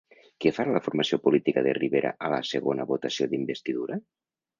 Què farà la formació política de Rivera a la segona votació d'investidura?